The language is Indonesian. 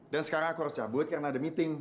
dan sekarang aku harus cabut karena ada meeting